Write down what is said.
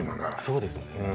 そうですね